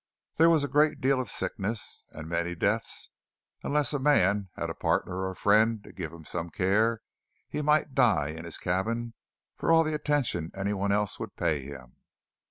There was a great deal of sickness, and many deaths, but unless a man had a partner or a friend to give him some care, he might die in his cabin for all the attention any one else would pay him.